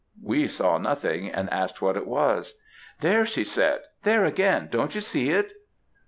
We saw nothing, and asked what it was. "'There!' she said. 'There again! don't you see it?'